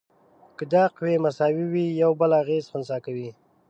که دا قوې مساوي وي یو بل اغیزې خنثی کوي.